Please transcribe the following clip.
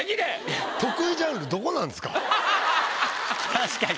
確かに。